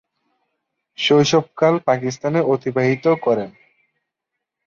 শৈশবকাল পাকিস্তানে অতিবাহিত করেন।